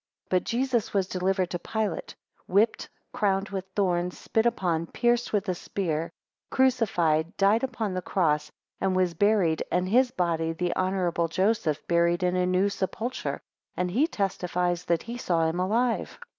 11 But Jesus was delivered to Pilate, whipped, crowned with thorns, spit upon, pierced with a spear, crucified, died upon the cross, and was buried, and his body the honourable Joseph buried in a new sepulchre, and he testifies that he saw him alive.